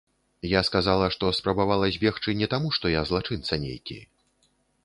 Я сказала, што спрабавала збегчы не таму што я злачынца нейкі.